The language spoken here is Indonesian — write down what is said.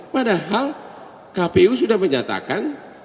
padahal kpu sudah menyatakan